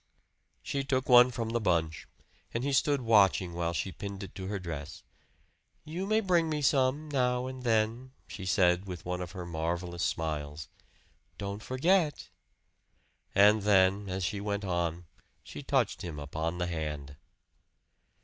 She took one from the bunch, and he stood watching while she pinned it to her dress. "You may bring me some, now and then," she said with one of her marvelous smiles. "Don't forget." And then, as she went on, she touched him upon the hand.